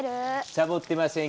さぼってません。